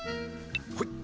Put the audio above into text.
はい。